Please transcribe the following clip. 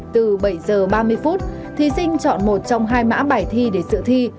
từ bảy giờ ba mươi phút thí sinh chọn một trong hai mã bài thi để sự thi